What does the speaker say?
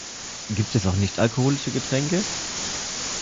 Gibt es auch nicht-alkoholische Getränke?